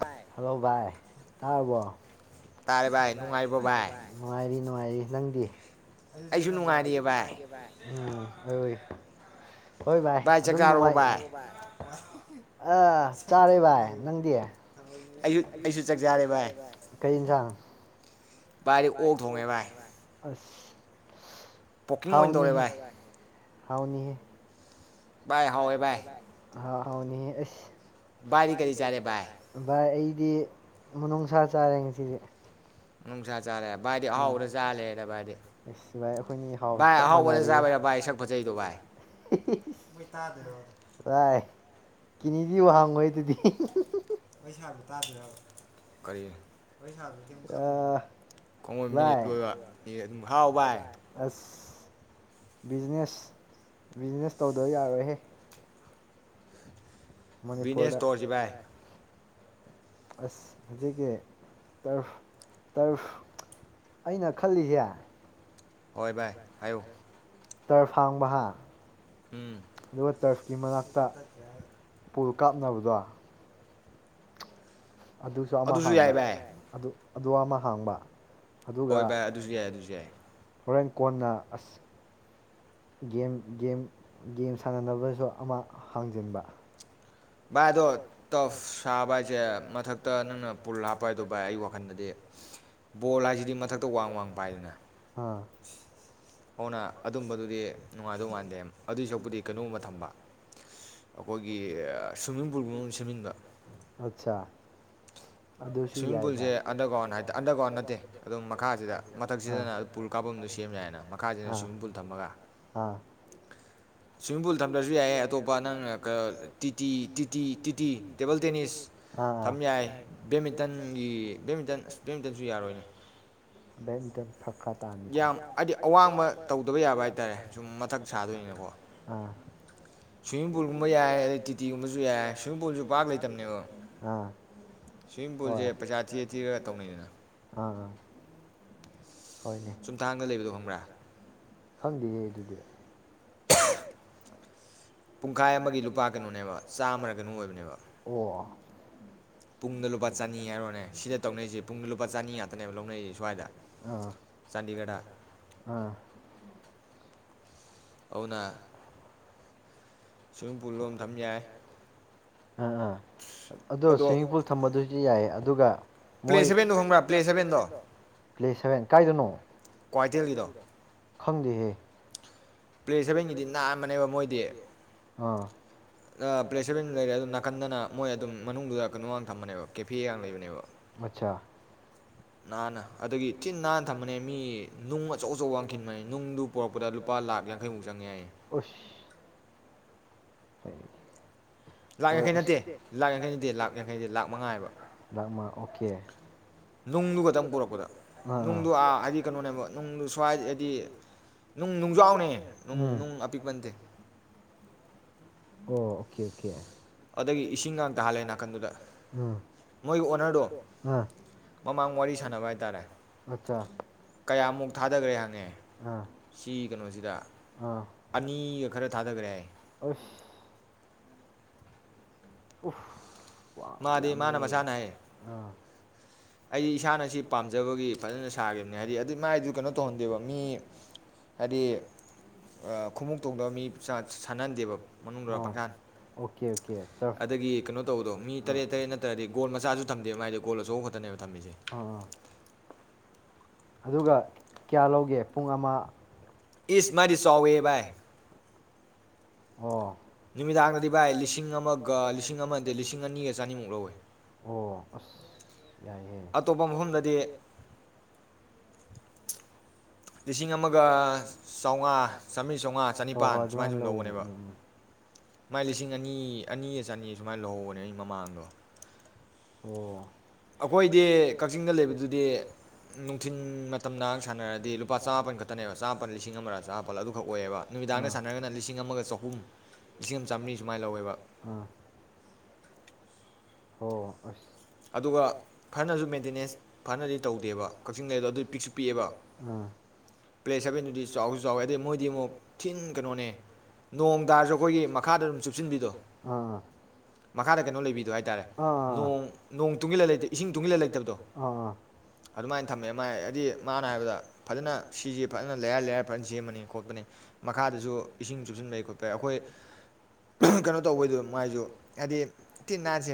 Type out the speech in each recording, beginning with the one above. ꯇꯥꯏ ꯍꯜꯂꯣ ꯚꯥꯏ ꯇꯥꯔꯕꯣ꯫ ꯇꯥꯔꯦ ꯚꯥꯏ ꯅꯨꯡꯉꯥꯏꯔꯤꯕꯣ ꯚꯥꯏ꯫ ꯅꯨꯡꯉꯥꯏꯔꯤ ꯅꯨꯡꯉꯥꯏꯔꯤ ꯅꯪꯗꯤ꯫ ꯑꯩꯖꯨ ꯅꯨꯡꯉꯥꯏꯔꯤꯌꯦ ꯚꯥꯏ꯫ ꯚꯥꯏ ꯎꯝ ꯑꯣꯏ꯫ ꯍꯣꯏ ꯚꯥꯏ ꯑꯗꯨꯝ ꯅꯨꯡꯉꯥꯏ ꯆꯥꯛꯇꯤ ꯆꯥꯔꯕꯣ ꯚꯥꯏ꯫ ꯑꯥ ꯆꯥꯔꯦ ꯚꯥꯏ ꯅꯪꯗꯤ ꯑꯌꯨꯛ ꯑꯩꯁꯨ ꯆꯥꯛ ꯆꯥꯔꯦ ꯚꯥꯏ ꯀꯩ ꯏꯟꯖꯥꯡ꯫ ꯕꯥꯏꯗꯤ ꯑꯣꯛ ꯊꯣꯡꯉꯦ ꯚꯥꯏ꯫ ꯑꯁ ꯍꯥꯎꯅꯤꯍꯦ [unintelligible] ꯍꯥꯎꯅꯤꯍꯦ ꯕꯥꯏ ꯍꯥꯎꯋꯦ ꯕꯥꯏ ꯍꯥ ꯍꯥꯎꯅꯤꯌꯦ ꯑꯩꯁ꯫ ꯕꯥꯏꯗꯤ ꯀꯔꯤ ꯆꯥꯔꯦ ꯕꯥꯏ꯫ ꯚꯥꯏ ꯑꯩꯗꯤ ꯃꯅꯨꯡꯁꯥ ꯆꯥꯔꯦ ꯉꯁꯤꯗꯤ꯫ ꯃꯅꯨꯡꯁꯥ ꯆꯥꯔꯦ ꯚꯥꯏꯗꯤ ꯑꯍꯥꯎꯕꯗ ꯆꯥꯔꯂꯩꯔꯦꯗ ꯚꯥꯏꯗꯤ꯫ ꯚꯥꯏ ꯑꯩꯈꯣꯏꯅꯤ ꯚꯥꯏ ꯍꯥꯎꯕ ꯆꯞ ꯃꯥꯟꯅꯔꯦ ꯑꯍꯥꯎꯕꯗ ꯆꯥꯕꯩꯔ ꯁꯛ ꯐꯖꯩꯁꯦ ꯚꯥꯏ꯫ ꯕꯥꯢ [unintelligible] [unintelligible] ꯑꯗꯨꯗꯤ꯫ [inaudible] [inaudible] [inaudible] ꯀꯣꯏ [unintelligible] ꯃꯤꯅꯤꯠ ꯂꯣꯏꯕ ꯃꯤ [unintelligible] ꯍꯥꯎꯕ ꯍꯥꯏ ꯑꯁ ꯕꯤꯖꯤꯅꯦꯁ ꯕꯤꯖꯤꯅꯦꯁ ꯇꯧꯗꯕ ꯌꯥꯔꯣꯏꯍꯦ ꯃꯅꯤꯄꯨꯔꯗ ꯑꯁ ꯍꯧꯖꯤꯛꯀꯤ ꯇꯥꯔꯐ ꯇꯥꯔꯐ ꯑꯩꯅ ꯈꯜꯂꯤꯁꯦ ꯇꯥꯔꯐ ꯍꯥꯡꯕ ꯍꯥ ꯑꯗꯨꯒ ꯇꯥꯔꯐꯀꯤ ꯃꯅꯥꯛꯇ ꯄꯨꯜ ꯀꯥꯞꯅꯕꯗꯣ ꯑꯗꯨꯁꯨ ꯑꯃ ꯍꯥꯡꯕ ꯑꯗꯨ ꯑꯗꯨ ꯑꯃ ꯍꯥꯡꯕ ꯑꯗꯨꯒ ꯍꯣꯔꯦꯟ ꯀꯣꯟꯅ ꯑꯁ ꯒꯦꯝ ꯒꯦꯝ ꯒꯦꯝ ꯁꯥꯟꯅꯅꯕꯗꯁꯨ ꯑꯃ ꯍꯥꯡꯖꯤꯟꯕ ꯚꯥꯏ ꯑꯗꯣ ꯇꯥꯞꯁꯥꯕ ꯍꯥꯏꯁꯦ ꯃꯊꯛꯇ ꯅꯪꯅ ꯄꯨꯜ ꯍꯥꯞꯄ ꯍꯥꯏꯗꯣ ꯚꯥꯏ ꯑꯩ ꯋꯥꯈꯜꯗꯗꯤ ꯕꯣꯜ ꯍꯥꯏꯁꯤꯗꯤ ꯃꯊꯛꯇ ꯋꯥꯡ ꯋꯥꯡ ꯄꯥꯏꯗꯅ ꯍꯥꯥ ꯍꯧꯅ ꯑꯗꯨꯝꯕꯗꯨꯗꯤ ꯅꯨꯡꯉꯥꯏꯗꯧ ꯃꯥꯟꯗꯦ ꯑꯗꯨꯏ ꯁꯥꯔꯨꯛꯄꯨꯗꯤ ꯀꯩꯅꯣꯒꯨꯝꯕ ꯊꯝꯕ ꯑꯩꯈꯣꯏꯒꯤ ꯁ꯭ꯋꯤꯝꯃꯤꯡ ꯄꯨꯜꯒꯨꯝꯕ ꯁꯦꯝꯖꯤꯟꯕ ꯑꯠꯆꯥ ꯁ꯭ꯋꯤꯝꯃꯤꯡ ꯄꯨꯜꯁꯦ ꯑꯟꯗꯔꯒ꯭ꯔꯥꯎꯟ ꯍꯥꯏꯇꯥꯔꯦ ꯑꯟꯗꯔꯒ꯭ꯔꯥꯎ ꯅꯠꯇꯦ ꯑꯗꯨꯝ ꯃꯈꯥꯁꯤꯗ ꯃꯊꯛꯁꯤꯗꯅ ꯀꯥꯕꯝꯗꯨ ꯁꯦꯝ ꯌꯥꯏꯅ ꯃꯈꯥꯁꯤꯅ ꯁ꯭ꯋꯤꯝꯃꯤꯡ ꯄꯨꯜ ꯊꯝꯃꯒ ꯍꯥꯥ ꯁ꯭ꯋꯤꯃꯤꯡ ꯄꯨꯜ ꯊꯝꯗ꯭ꯔꯁꯨ ꯌꯥꯏ ꯑꯇꯣꯞꯄ ꯅꯪꯅ ꯇꯤ ꯇꯤ ꯇꯤ ꯇꯤ ꯇꯤꯇꯤ ꯇꯦꯕꯜ ꯇꯦꯅꯤꯁ ꯊꯝ ꯌꯥꯏ ꯕꯦꯠꯃꯤꯟꯇꯟꯒꯤ ꯕꯦꯃꯤꯇꯟ ꯕꯦꯠꯃꯤꯟꯇꯟꯁꯨ ꯌꯥꯔꯣꯏꯅꯦ ꯕꯦꯠꯃꯤꯇꯟ ꯐꯛ ꯈꯥ ꯇꯥꯅꯤꯀꯣ ꯌꯥꯝ ꯍꯥꯏꯗꯤ ꯑꯋꯥꯡꯕ ꯇꯧꯗꯕ ꯌꯥꯕ ꯍꯥꯏꯇꯥꯔꯦ ꯃꯊꯛ ꯁꯥꯗꯣꯏ ꯑꯥ [unintelligible] ꯌꯥꯏ ꯑꯗꯩ ꯇꯤꯇꯤꯒꯨꯝꯕꯁꯨ ꯌꯥꯢ [unintelligible] ꯄꯥ ꯂꯩꯇꯕꯅꯦꯕ ꯍꯣꯢ ꯑꯥ ꯍꯣꯏꯅꯦ ꯈꯪꯗꯤꯌꯦ ꯑꯗꯨꯗꯤ [unintelligible] ꯄꯨꯡꯈꯥꯏ ꯑꯃꯒꯤ ꯂꯨꯄꯥ ꯀꯩꯅꯣꯅꯦꯕ ꯆꯥꯝꯃꯔ ꯀꯩꯅꯣ ꯑꯣꯏꯕꯅꯦꯕ ꯑꯣ ꯄꯨꯡꯗ ꯂꯨꯄꯥ ꯆꯥꯅꯤ ꯍꯥꯏꯔ ꯍꯥꯏ ꯁꯤꯗ ꯇꯧꯅꯩꯁꯦ ꯂꯨꯄꯥ ꯆꯥꯅꯤ ꯍꯥꯏ ꯑꯥ ꯑꯗꯨꯅ ꯁ꯭ꯋꯤꯃꯤꯡ ꯄꯨꯜ ꯂꯣꯝ ꯊꯝ ꯌꯥꯏ ꯑꯥ ꯑꯥ ꯑꯗꯣ ꯁ꯭ꯋꯤꯃꯤꯡ ꯄꯨꯜ ꯊꯝꯕꯗꯨꯁꯨ ꯌꯥꯏꯌꯦ ꯑꯗꯨꯒ ꯃꯣꯏ ꯄ꯭ꯂꯦꯁꯚꯦꯟꯗ ꯍꯣꯡꯕ꯭ꯔꯥ ꯄ꯭ꯂꯦꯁꯦꯚꯦꯟꯗꯣ ꯄ꯭ꯂꯦ ꯁꯦꯚꯦꯟ ꯀꯥꯏꯗꯅꯣ ꯀ꯭ꯋꯥ ꯀꯩꯊꯦꯜ ꯈꯪꯗꯦꯍꯦ ꯄ꯭ꯂꯦ ꯁꯕꯦꯟꯒꯤꯗꯤ ꯅꯥꯟꯕꯅꯦꯕ ꯃꯣꯏꯗꯤ ꯑꯥ ꯄ꯭ꯂꯦ ꯁꯕꯦꯟ ꯂꯩꯔꯦ ꯑꯗꯨꯝ ꯅꯥꯀꯟꯗꯅ ꯃꯣꯏ ꯑꯗꯨꯝ ꯃꯅꯨꯡꯗꯨꯗ ꯀꯩꯅꯣꯒꯥꯡ ꯊꯝꯕꯅꯦꯕ ꯀꯦꯐꯦꯒꯥꯡ ꯂꯩꯕꯅꯦꯕ ꯑꯆꯥ ꯅꯥꯟꯅ ꯑꯗꯒꯤ ꯊꯤꯟ ꯅꯥꯟꯅ ꯊꯝꯕꯅꯦ ꯃꯤ ꯅꯨꯡ ꯑꯆꯧ ꯑꯆꯧꯕ ꯋꯥꯡꯈꯤꯟꯕꯅꯦ ꯅꯨꯡꯗꯨ ꯄꯨꯔꯛꯄꯗ ꯂꯨꯄꯥ ꯂꯥꯛ ꯌꯥꯡꯈꯩꯃꯨꯛ ꯆꯪꯢ ꯍꯥꯏꯌꯦ ꯑꯁ [inaudible] ꯍꯣꯏ ꯑꯁ ꯅꯠꯇꯦ ꯂꯥꯛ ꯌꯥꯡꯈꯩ ꯅꯗꯦ ꯂꯥꯛ ꯃꯉꯥ ꯂꯥꯛ ꯃꯉꯥ ꯑꯣꯀꯦ ꯅꯨꯡꯗꯨ ꯈꯛꯇꯡ ꯄꯨꯔꯛꯄꯗ [unintelligible] ꯅꯨꯡ ꯅꯨꯡꯖꯥꯎꯅꯦ ꯑꯣ ꯑꯣꯀꯦ ꯑꯣꯀꯦ ꯑꯗꯒꯤ ꯏꯁꯤꯡꯒ ꯇꯥꯍꯜꯂꯦ ꯅꯥ ꯈꯟꯗꯨꯗ ꯃꯣꯏꯒꯤ ꯑꯣꯅꯔꯗꯣ ꯃꯃꯥꯡ ꯋꯥꯔꯤ ꯁꯥꯟꯅꯕ ꯍꯥꯏꯇꯥꯔꯦ ꯀꯌꯥꯃꯨꯛ ꯊꯥꯗꯕ ꯌꯥꯅꯤ ꯁꯤ ꯀꯩꯅꯣꯁꯤꯗ ꯑꯅꯤꯒ ꯈꯔ ꯊꯥꯗꯈ꯭ꯔꯦ ꯍꯥꯏ ꯑꯁ ꯎꯐ ꯋꯥ ꯌꯥꯝꯃꯤꯍꯦ ꯑꯩꯗꯤ ꯏꯁꯥꯅ ꯑꯁꯤ ꯄꯥꯝꯖꯕꯒꯤ ꯐꯖꯅ ꯁꯥꯈꯤꯕꯅꯦ ꯍꯥꯏꯗꯤ ꯑꯗꯨ ꯃꯥꯏꯗꯨ ꯀꯩꯅꯣ ꯇꯧꯍꯟꯗꯦꯕ ꯃꯤ ꯃꯔꯤ ꯈꯣꯡꯎꯞ ꯇꯣꯡꯗꯕ ꯃꯤ ꯁꯥꯟꯅꯍꯟꯗꯦꯕ ꯃꯅꯨꯡꯗ ꯄꯪꯈꯥꯟ ꯑꯗꯒꯤ ꯀꯩꯅꯣ ꯇꯧꯕꯗꯣ ꯃꯤ ꯇꯔꯦꯠ ꯇꯔꯦꯠ ꯅꯠꯇ꯭ꯔꯗꯤ ꯒꯣꯜ ꯃꯆꯥꯁꯨ ꯊꯝꯗꯦ ꯃ ꯃꯥꯗꯤ ꯒꯣꯜ ꯑꯆꯧꯕ ꯈꯛꯇꯅꯦꯕ ꯊꯝꯕꯤꯁꯦ ꯑꯣ ꯑꯗꯨꯒ ꯀꯌꯥ ꯂꯧꯒꯦ ꯄꯨꯡ ꯑꯃ ꯏꯁ ꯃꯥꯢꯗꯤ ꯆꯥꯎꯋꯦ ꯚꯥꯏ ꯑꯣ ꯥꯅꯨꯃꯤꯗꯥꯡꯗꯗꯤ ꯚꯥꯏ ꯂꯤꯁꯤꯡ ꯑꯃ ꯂꯤꯁꯤꯡ ꯑꯃ ꯂꯤꯁꯤꯡ ꯑꯅꯤꯒ [unintelligible] ꯑꯁ ꯌꯥꯏꯍꯦ ꯑꯇꯣꯞꯄ ꯃꯐꯝꯗꯗꯤ ꯂꯤꯁꯤꯡ ꯑꯃꯒ ꯆꯥꯝꯃꯉꯥ ꯆꯥꯝꯃꯔꯤ ꯆꯥꯝꯃꯉꯥ ꯆꯥꯅꯤꯄꯥꯟ ꯁꯨꯃꯥꯏꯅ ꯁꯨꯝ ꯂꯧꯕꯅꯦꯕ ꯃꯥꯏ ꯂꯤꯁꯤꯡ ꯑꯅꯤ ꯑꯅꯤꯒ ꯆꯅꯤ ꯁꯨꯃꯥꯏꯅ ꯂꯧꯍꯧꯕꯅꯦ ꯑꯩ ꯃꯃꯥꯡꯗꯣ ꯑꯣ ꯑꯈꯣꯏꯗꯤ ꯀꯥꯛꯆꯤꯡꯗ ꯂꯩꯕꯗꯨꯗꯤ ꯅꯨꯡꯊꯤꯟ ꯃꯇꯝ ꯅꯍꯥꯛ ꯁꯥꯟꯅꯔꯗꯤ ꯂꯨꯄꯥ ꯆꯥꯃꯄꯜ ꯈꯛꯇꯅꯦꯕ ꯆꯥꯃꯄꯜ ꯂꯤꯁꯤꯡ ꯑꯃꯔ ꯆꯥꯃꯄꯜ ꯑꯗꯨꯈꯛ ꯑꯣꯏꯌꯦꯕ ꯅꯨꯃꯤꯗꯥꯡꯗ ꯁꯥꯟꯅꯔꯒꯅ ꯂꯤꯁꯤꯡ ꯑꯃꯒ ꯆꯍꯨꯝ ꯂꯤꯁꯤꯡ ꯑꯃ ꯆꯥꯝꯃ꯭ꯔꯤ ꯁꯨꯃꯥꯏ ꯂꯧꯋꯦꯕ ꯑꯥ ꯍꯣ ꯍꯣ ꯑꯁ ꯑꯗꯨꯒ ꯈꯅꯖꯨ ꯃꯦꯟꯇꯦꯅꯦꯟꯁ ꯍꯥꯟꯅꯗꯤ ꯇꯧꯗꯦꯕ ꯀꯥꯛꯆꯤꯡꯅꯦ ꯑꯗꯣ ꯑꯗꯨ ꯄꯤꯠꯁ ꯄꯤꯑꯦꯕ ꯑ ꯄ꯭ꯂꯦ ꯁꯕꯦꯟꯗꯨꯗꯤ ꯆꯥꯎꯁꯨ ꯆꯥꯎꯋꯦ ꯑꯗꯩ ꯃꯣꯏꯗꯤ ꯑꯃꯨꯛ ꯊꯤꯟ ꯀꯩꯅꯣꯅꯦ ꯅꯣꯡ ꯇꯥꯔꯁꯨ ꯑꯈꯣꯏꯒꯤ ꯃꯈꯥꯗ ꯑꯗꯨꯝ ꯆꯨꯞꯁꯤꯟꯕꯤꯗꯣ ꯃꯈꯥꯗ ꯀꯩꯅꯣ ꯂꯩꯕꯤꯗꯣ ꯍꯥꯏꯇꯥꯔꯦ ꯑꯥ ꯅꯨꯡ ꯇꯨꯡꯖꯜꯂ ꯂꯩꯇꯦ ꯏꯁꯤꯡ ꯇꯨꯡꯖꯤꯜꯂ ꯂꯩꯇꯕꯗꯣ ꯑꯗꯨꯃꯥꯏꯟ ꯊꯝꯃꯦ ꯃꯥꯥꯏ ꯑꯗꯤ ꯃꯥꯅ ꯍꯥꯏꯕꯗ ꯐꯖꯅ ꯁꯤꯖꯦ ꯐꯖꯅ ꯂꯩꯌ꯭ꯔ ꯂꯦꯌ꯭ꯔ ꯐꯖꯅ ꯁꯦꯝꯕꯅꯤ ꯈꯣꯠꯄꯅꯤ ꯃꯈꯥꯗꯁꯨ ꯏꯁꯤꯡ ꯆꯨꯞꯁꯤꯟꯕꯩ ꯈꯣꯠꯄꯩ ꯑꯩꯈꯣꯏ ꯀꯩꯅꯣ ꯇꯧꯕꯩꯗꯣ ꯃꯥꯏꯖꯨ ꯍꯥꯏꯗꯤ ꯊꯤ ꯅꯥꯟ ꯁꯦ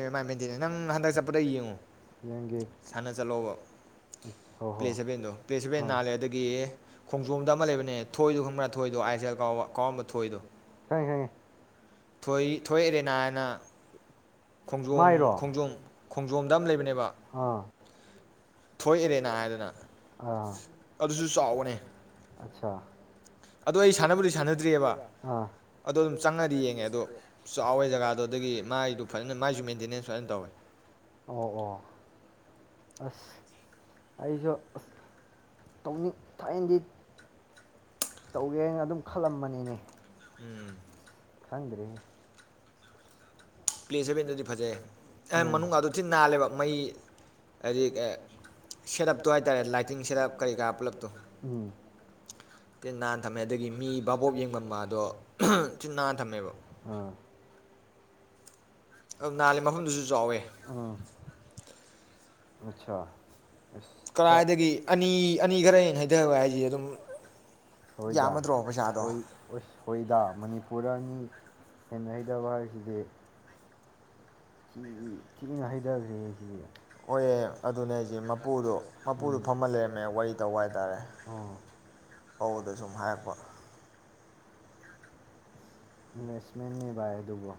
[unintelligible] [unintelligible] ꯈꯣꯡꯖꯣꯝꯗ ꯑꯃ ꯂꯩꯕꯅꯦ ꯊꯣꯏꯗꯣ ꯈꯪꯕ꯭ꯔꯥ ꯊꯣꯏꯗꯣ ꯑꯥꯏꯁ ꯑꯦꯜ ꯀꯥꯎꯕ ꯀꯥꯎꯔꯝꯕ ꯊꯣꯏꯗꯣ ꯈꯪꯉꯦ ꯈꯪꯉꯦ ꯊꯣꯏ ꯊꯣꯏꯑꯦꯔꯦꯅꯥ ꯑꯅ ꯈꯣꯡꯖꯣꯝ ꯈꯣꯡꯖꯣꯝ ꯈꯣꯡꯖꯣꯝꯗ ꯑꯝ ꯂꯩꯕꯅꯦꯕ ꯍꯥꯥ ꯊꯣꯏ ꯑꯦꯔꯦꯅꯥ ꯍꯥꯏꯗꯅ ꯑꯥ ꯑꯗꯨꯁꯨ ꯆꯥꯎꯕꯅꯦ ꯑꯠꯁꯥ ꯑꯗꯨ ꯑꯩ ꯁꯥꯟꯅꯕꯨꯗꯤ ꯁꯥꯟꯅꯗ꯭ꯔꯤꯑꯕ ꯑꯥ ꯑꯗꯨꯝ ꯆꯪꯉꯗꯤ ꯌꯦꯡꯉꯦ ꯑꯗꯣ ꯆꯥꯎꯋꯦ ꯖꯒꯥꯗꯨ ꯑꯗꯨꯒꯤ ꯃꯥꯏꯗꯣ ꯐꯖꯅ ꯃꯥꯏꯖꯨ ꯃꯦꯟꯇꯦꯅꯦꯟꯁ ꯐꯖꯅ ꯇꯧꯔꯦ ꯑꯣ ꯑꯣ ꯑꯁ ꯑꯩꯁꯨ ꯑꯁ ꯇꯧꯅꯤꯡ ꯊꯥꯏꯅꯗꯤ ꯇꯧꯒꯦ ꯍꯥꯏꯅ ꯑꯗꯨꯝ ꯈꯜꯂꯝꯕꯅꯤꯅꯦ ꯎꯝ ꯈꯪꯗ꯭ꯔꯦꯍꯦ ꯄ꯭ꯂꯦ ꯁꯕꯦꯟꯗꯨꯗꯤ ꯐꯖꯩ ꯑꯦ ꯃꯅꯨꯡꯒꯗꯨ ꯊꯤ ꯅꯥꯜꯂꯦꯕ ꯃꯩ ꯍꯥꯏꯗꯤ ꯀꯦ ꯁꯦꯠꯑꯞꯇꯣ ꯍꯥꯏꯇꯥꯔꯦ ꯂꯥꯏꯠꯇꯤꯡ ꯁꯦꯠꯇꯞ ꯀꯔꯤ ꯀꯔꯥ ꯄꯨꯂꯞꯇꯣ ꯇꯤꯟ ꯅꯥꯟ ꯊꯝꯃꯦ ꯑꯗꯨꯒꯤ ꯃꯤ ꯕꯥꯥꯕꯣꯞ ꯌꯦꯡꯕꯝ ꯃꯥꯗꯣ ꯆꯤꯟ ꯅꯥꯟꯅ ꯊꯝꯃꯦꯕ ꯑꯥ ꯑꯪ ꯉꯥꯜꯂꯦ ꯃꯐꯝꯗꯨꯖꯨ ꯆꯥꯎꯋꯦ ꯎꯝ ꯑꯠꯁꯥ ꯑꯁ ꯈꯔ ꯀꯥꯏꯗꯒꯤ ꯑꯅꯤ ꯑꯅꯤ ꯈꯔ ꯍꯩꯗꯕ ꯍꯥꯏꯖꯦ ꯑꯗꯨꯝ ꯍꯣꯏꯗ ꯍꯣꯏ ꯎꯁ ꯍꯣꯏꯗꯥ ꯃꯅꯤꯄꯨꯔꯥ ꯑꯅꯤ ꯍꯦꯟꯅ ꯍꯩꯗꯕ ꯍꯥꯏꯁꯤꯗꯤ ꯊꯤ ꯊꯤꯅ ꯍꯩꯗꯒ꯭ꯔꯦꯍꯦ ꯁꯤꯗꯤ ꯍꯣꯏꯌꯦ ꯑꯗꯨꯅꯦ ꯍꯩꯖꯦ ꯃꯄꯨꯗꯣ ꯃꯄꯨꯗꯣ ꯐꯝꯃ ꯂꯩꯔꯝꯃꯦ ꯋꯥꯔꯤ ꯇꯧꯕ ꯍꯥꯏꯇꯥꯔꯦ ꯑꯑꯣꯗ ꯁꯨꯝ ꯍꯥꯏꯔꯛꯄ ꯏꯟꯚꯦꯁꯃꯦꯟꯅꯦ ꯚꯥꯏ ꯑꯗꯨꯕꯣ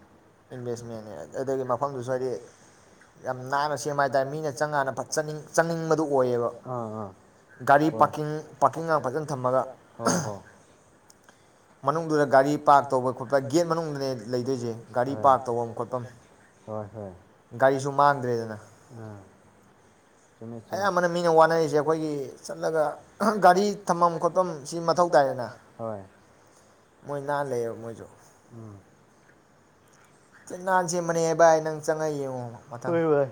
ꯏꯟꯚꯦꯁꯃꯦꯟꯅꯦ ꯑꯗꯒꯤ ꯃꯐꯝꯗꯨꯖꯨ ꯍꯥꯏꯗꯤ ꯌꯥꯝ ꯅꯥꯟꯅ ꯁꯦꯝꯕ ꯍꯥꯏꯇꯥꯔꯦ ꯃꯤꯅ ꯆꯪꯒꯥꯟꯗ ꯐꯠ ꯆꯪꯅꯤꯡ ꯆꯪꯅꯤꯡꯕꯗꯨ ꯑꯣꯏꯌꯦꯕ ꯑꯥ ꯑꯥ ꯒꯥꯔꯤ ꯄꯥꯀꯤꯡ ꯄꯥꯀꯤꯡꯒ ꯐꯖꯅ ꯊꯝꯃꯒ ꯍꯣꯏ ꯍꯣ ꯃꯅꯨꯡꯗꯨꯗ ꯒꯥꯔꯤ ꯄꯥꯔ꯭ꯛ ꯇꯧꯕ ꯈꯣꯠꯄ ꯒꯦꯠ ꯃꯅꯨꯡꯗꯅꯦ ꯂꯩꯗꯣꯏꯖꯦ ꯒꯥꯔꯤ ꯄꯥꯔ꯭ꯛ ꯇꯧꯕꯝ ꯈꯣꯠꯐꯝ ꯍꯣꯏ ꯍꯣꯏ ꯒꯥꯔꯤꯁꯨ ꯃꯥꯡꯗ꯭ꯔꯦꯗꯅ ꯑ ꯆꯨꯝꯃꯤ ꯆꯨꯝꯃꯤ ꯃꯌꯥꯝꯕꯅ ꯃꯤꯅ ꯋꯥꯅꯔꯤꯖꯦ ꯑꯩꯈꯣꯏꯒꯤ ꯆꯠꯂꯒ ꯒꯥꯔꯤ ꯊꯝꯕꯝ ꯈꯣꯠꯐꯝꯁꯤ ꯃꯊꯧ ꯇꯥꯏꯌꯦꯅ ꯍꯣꯏ ꯃꯣꯏ ꯅꯥꯟ ꯂꯩꯌꯦꯕ ꯃꯣꯏꯖꯨ ꯎꯝ [unintelligible] ꯅꯪ ꯆꯪꯉ ꯍꯦꯡꯉꯣ ꯍꯣꯏ [unintelligible]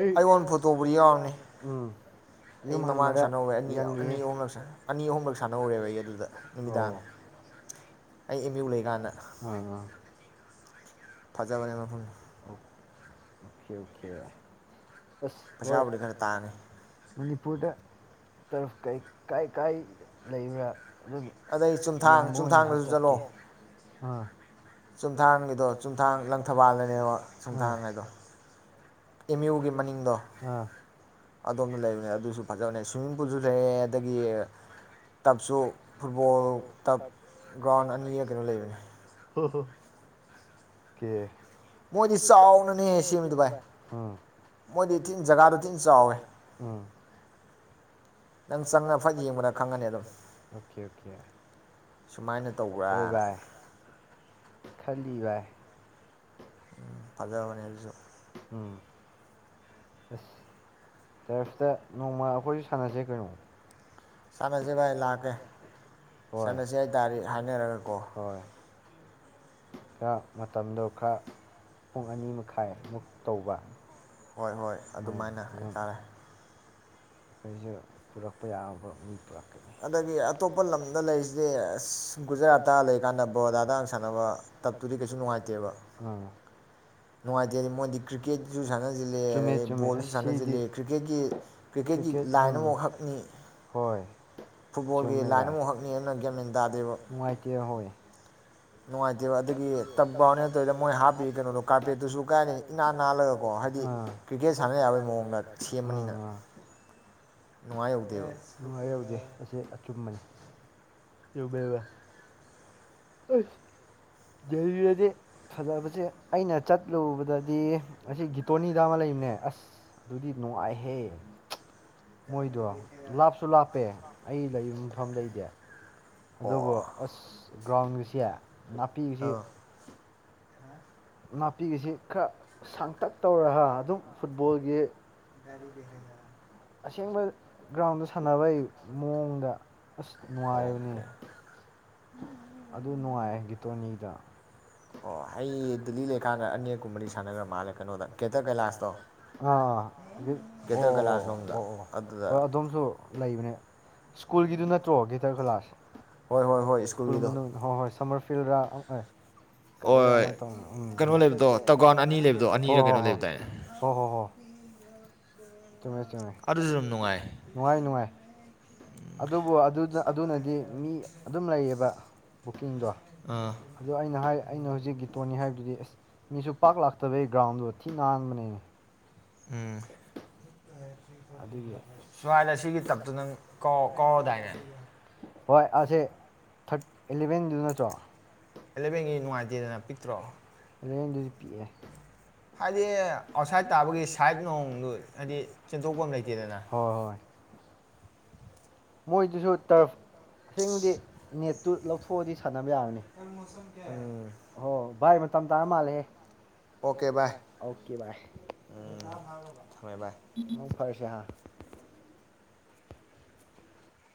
ꯑꯩ ꯑꯩꯉꯣꯟ ꯐꯣꯇꯣꯕꯨꯗꯤ ꯌꯥꯎꯕꯅꯤ ꯎꯝ ꯑꯩ ꯃꯃꯥꯡꯗ ꯁꯥꯟꯅꯍꯧꯋꯦ ꯑꯅꯤ ꯑꯅꯤ ꯑꯍꯨꯝꯂꯛ ꯑꯅꯤ ꯑꯍꯨꯝꯂꯛ ꯁꯥꯟꯅꯍꯧꯋꯦꯕ ꯑꯩ ꯑꯗꯨꯗ ꯅꯨꯃꯤꯗꯥꯡ [inaudible] ꯑꯩ ꯑꯦꯝ ꯌꯨ ꯂꯩꯀꯥꯟꯗ ꯑ ꯐꯖꯕꯅꯦ ꯃꯐꯝꯗꯨ ꯑꯣ ꯑꯣꯀꯦ ꯑꯣꯀꯦ ꯑꯁ ꯍꯣꯏ [unintelligible] ꯃꯅꯤꯄꯨꯔꯗ ꯇꯔꯐ ꯀꯩ ꯀꯥꯏ ꯀꯥꯏ ꯂꯩꯕ꯭ꯔꯥ ꯑꯗꯨꯝ ꯌꯦꯡꯕ [unintelligible] ꯑꯣꯏꯅꯁꯨ ꯆꯠꯀꯦ ꯑꯥ ꯆꯨꯝꯊꯥꯡꯒꯤꯗꯣ ꯆꯨꯝꯊꯥꯡ ꯂꯪꯊꯕꯥꯜꯗꯅꯦꯕ ꯆꯨꯝꯊꯥꯡ ꯍꯥꯏꯗꯣ ꯑꯦꯝ ꯌꯨꯒꯤ ꯃꯅꯤꯡꯗꯣ ꯑꯗꯣꯝꯗ ꯂꯩꯕꯅꯦ ꯑꯗꯨꯁꯨ ꯐꯖꯕꯅꯦ ꯁ꯭ꯋꯤꯃꯤꯡ ꯄꯨꯜꯁꯨ ꯂꯩꯌꯦ ꯑꯗꯒꯤ ꯇꯞꯁꯨ ꯐꯨꯠꯕꯣꯜ ꯇꯞ ꯒ꯭ꯔꯥꯎꯟ ꯑꯅꯤꯔ ꯀꯩꯅꯣ ꯂꯩꯕꯅꯤ [unintelligible] ꯀꯦ ꯃꯣꯏꯗꯤ ꯆꯥꯎꯅꯅꯦ ꯁꯦꯝꯃꯤꯗꯣ ꯕꯥꯏ ꯃꯣꯏꯗꯤ ꯆꯤꯡ ꯖꯒꯥꯗꯣ ꯆꯤꯡ ꯆꯥꯎꯋꯦ ꯎꯝ ꯅꯪ ꯆꯪꯉ ꯐꯠ ꯌꯦꯡꯕꯗ ꯈꯪꯉꯅꯤ ꯑꯗꯣ ꯑꯣꯀꯦ ꯑꯣꯀꯦ ꯍꯣꯏ ꯚꯥꯏ ꯈꯜꯂꯤ ꯚꯥꯏ ꯐꯖꯕꯅꯦ ꯑꯗꯨꯁꯨ ꯎꯝ ꯑꯁ ꯇꯔꯁꯇ ꯅꯣꯡꯃ ꯑꯩꯈꯣꯏꯁꯨ ꯁꯥꯟꯅꯁꯦ ꯀꯩꯅꯣ ꯁꯥꯅꯁꯤ ꯚꯥꯏ ꯂꯥꯛꯀꯦ ꯍꯣꯏ [unintelligible] ꯍꯥꯏꯅꯔꯒ ꯍꯣꯏ ꯈꯔ ꯃꯇꯝꯗꯣ ꯈꯔ ꯄꯨꯡ ꯑꯅꯤ ꯃꯈꯥꯏꯃꯨꯛ ꯇꯧꯕ ꯍꯣꯏ ꯍꯣꯏ ꯑꯗꯨꯃꯥꯏꯅ ꯍꯥꯏꯇꯥꯔꯦ ꯑꯩꯁꯨ ꯄꯨꯔꯛꯄ ꯌꯥꯕ ꯃꯤ ꯑꯗꯒꯤ ꯑꯇꯣꯞꯄ ꯂꯝꯗ ꯂꯩꯔꯤꯁꯤ ꯒꯨꯖꯔꯥꯠꯇ ꯂꯩꯔꯤꯀꯥꯟꯗ ꯕꯣꯔꯗꯥ ꯗꯥ ꯁꯥꯟꯅꯕ [unintelligible] ꯀꯩꯁꯨ ꯅꯨꯡꯉꯥꯏꯇꯦꯕ ꯎꯝ [unintelligible] ꯆꯨꯝꯃꯦ ꯆꯨꯝꯃꯦ ꯑꯁ ꯁꯤꯗꯤ ꯀ꯭ꯔꯤꯀꯦꯠ ꯅ ꯍꯣꯏ ꯆꯨꯝꯃꯦ ꯕꯥꯏ ꯅꯨꯡꯉꯥꯏꯇꯦ ꯍꯣꯏ ꯅꯨꯡꯉꯥꯏꯇꯦꯕ ꯑꯗꯨꯒꯤ ꯇꯞ ꯕꯥꯥꯎꯅꯦ ꯇꯧꯔꯤꯗꯣ ꯃꯣꯏ ꯍꯥꯞꯄꯤ ꯀꯩꯅꯣꯗꯣ ꯀꯥꯔꯄꯦꯠꯇꯨꯁꯨ ꯀꯥꯏꯅꯤ ꯏꯅꯥ ꯅꯥꯜꯂꯒꯀꯣ ꯍꯥꯏꯗꯤ ꯀ꯭ꯔꯤꯀꯦꯠ ꯁꯥꯟꯅ ꯌꯥꯕꯒꯤ ꯃꯑꯣꯡꯗ ꯁꯦꯝꯕꯅꯤꯅ [unintelligible] ꯅꯨꯡꯉꯥꯏꯍꯧꯗꯦ ꯑꯁꯤ ꯑꯆꯨꯝꯕꯅꯤ ꯆꯨꯝꯃꯦ ꯚꯥꯏ [unintelligible] ꯂꯩꯔꯗꯤ ꯐꯖꯕꯁꯦ ꯑꯩꯅ ꯆꯠꯂꯨꯕꯗꯗꯤ ꯑꯁꯤ ꯒꯤꯇꯣꯅꯤꯗ ꯑꯃ ꯂꯩꯕꯅꯦ ꯑꯁ ꯑꯗꯨꯗꯤ ꯅꯨꯡꯉꯥꯏꯍꯦ ꯃꯣꯏꯗꯣ ꯂꯥꯞꯁꯨ ꯂꯥꯞꯄꯦ ꯑꯩ ꯂꯩ ꯃꯐꯝꯗꯩꯗꯤ ꯑꯗꯨꯕꯨ ꯑꯁ ꯒ꯭ꯔꯥꯎꯟꯒꯁꯤ ꯅꯥ ꯑ ꯅꯥꯄꯤꯒꯥꯁꯤ ꯈꯔ ꯁꯥꯡꯇꯛ ꯇꯧꯔ ꯍꯥ ꯑꯗꯨꯝ ꯐꯨꯠꯕꯣꯜꯒꯤ [unintelligible] ꯑꯁꯦꯡꯕ ꯒ꯭ꯔꯥꯎꯟꯗ ꯁꯥꯟꯅꯕꯩ ꯃꯑꯣꯡꯗ ꯑꯁ ꯑꯣꯀꯦ ꯑꯗꯨ ꯅꯨꯡꯉꯥꯏ ꯒꯤꯇꯣꯅꯤꯗ ꯑꯣ ꯑꯩ ꯗꯦꯜꯂꯤ ꯂꯩꯀꯥꯟꯗ ꯑꯅꯤꯔꯛꯀꯨꯝꯕꯗꯤ ꯁꯥꯟꯅꯈ꯭ꯔ ꯃꯥꯜꯂꯦ ꯀꯩꯅꯣꯗ ꯀꯦꯇꯔ ꯀꯩꯂꯥꯁꯇꯣ ꯑꯥ [unintelligible] ꯑꯣ ꯑꯣ ꯑꯣ ꯑꯣ ꯍꯣꯏ ꯑꯗꯨꯣꯝꯁꯨ ꯂꯩꯕꯅꯦ ꯁ꯭ꯀꯨꯜꯒꯤꯗꯨ ꯅꯠꯇ꯭ꯔꯣ ꯒꯦꯇꯔ ꯀꯩꯂꯥꯁ ꯍꯣꯏ ꯍꯣꯏ ꯍꯣꯏ ꯁ꯭ꯀꯨꯜ ꯃꯅꯨꯡ ꯍꯣꯏ ꯍꯣꯏ ꯁꯝꯃꯔ ꯐꯤꯜꯔꯥ ꯀꯔꯤꯔꯥ ꯎꯝ ꯎꯝ ꯀꯩꯅꯣ ꯂꯩꯕꯗꯣ ꯇꯧꯕꯥ ꯑꯅꯤ ꯂꯩꯕꯗꯣ ꯍꯣ ꯍꯣ ꯍꯣ ꯍꯣꯏ ꯍꯣꯏ ꯆꯨꯝꯃꯦ ꯆꯨꯝꯃꯦ ꯑꯗꯨꯏꯗꯨ ꯅꯨꯡꯉꯥꯏ ꯅꯨꯡꯉꯥꯏ ꯑꯗꯨꯕꯨ ꯑꯗꯨꯅꯗꯤ ꯃꯤ ꯑꯗꯨꯝ ꯂꯩꯌꯦꯕ ꯕꯨꯛꯀꯤꯡꯗꯣ ꯑꯥ ꯑꯗꯣ ꯑꯩꯅ ꯍꯥꯏ ꯑꯩꯅ ꯍꯧꯖꯤꯛ ꯒꯤꯇꯣꯅꯤ ꯍꯥꯏꯕꯗꯨꯗꯤ ꯑꯁ ꯃꯤꯁꯨ ꯄꯥꯛ ꯂꯥꯛꯇꯕꯒꯤ ꯒ꯭ꯔꯥꯎꯟꯗꯣ ꯊꯤ ꯅꯥꯟꯕꯅꯦꯅꯦ ꯎꯝ ꯁ꯭ꯋꯥꯏꯗ ꯑꯁꯤꯒꯤꯒꯤ ꯇꯞꯇꯨ ꯅꯪ ꯀꯥꯎ ꯀꯥꯎꯔꯑꯣꯗꯥꯏꯅꯦ ꯍꯣꯏ ꯑꯁꯦ ꯏꯂꯚꯦꯟꯗꯨ ꯅꯠꯇ꯭ꯔꯣ ꯑꯦꯂꯕꯦꯟꯒꯤ ꯅꯨꯡꯉꯥꯏꯇꯦꯗꯅ ꯄꯤꯛꯇ꯭ꯔꯣ ꯑꯦꯂꯚꯦꯟꯗꯨꯗꯤ ꯄꯤꯛꯑꯦ ꯍꯥꯏꯗꯤ ꯑꯥꯎꯠꯁꯥꯏꯠ ꯇꯥꯕꯒꯤ ꯁꯥꯏꯠ ꯅꯣꯡꯗꯨ ꯍꯥꯏꯗꯤ ꯆꯦꯟꯊꯣꯛꯄ ꯑꯃ ꯂꯩꯇꯦꯗꯅ ꯃꯣꯏꯗꯨꯁꯨ ꯇꯔꯐ ꯑꯁꯦꯡꯕꯗꯤ ꯅꯦꯠꯇꯨ ꯂꯧꯊꯣꯛꯑꯗꯤ ꯁꯥꯟꯅꯕ ꯌꯥꯕꯅꯤ ꯁ ꯀꯌꯥ ꯍ ꯚꯥꯏ ꯃꯇꯝ ꯇꯥꯔ ꯃꯥꯜꯂꯦꯍꯦ ꯕ ꯑꯣꯀꯦ ꯚꯏ ꯎꯝ ꯊꯝꯃꯦ ꯕꯥꯏ ꯃꯟ ꯐꯔꯁꯦ ꯍꯥꯏ